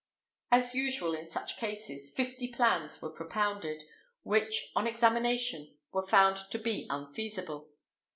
As usual in such cases, fifty plans were propounded, which, on examination, were found to be unfeasible.